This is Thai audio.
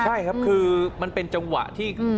ใช่ครับคือมันเป็นจังหวะที่